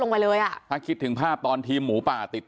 ลงไปเลยอะถ้าคิดถึงภาพตอนทีหมูปาติด